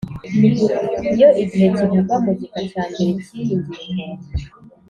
Iyo igihe kivugwa mu gika cyambere cy iyi ngingo